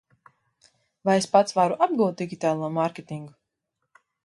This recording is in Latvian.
Vai es pats varu apgūt digitālo mārketingu?